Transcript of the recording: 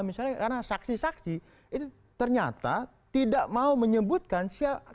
misalnya karena saksi saksi itu ternyata tidak mau menyebutkan siapa